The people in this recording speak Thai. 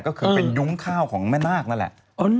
ก็คือเป็นยุ้งข้าวของแม่นาคนั่นแหละ